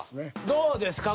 どうですか？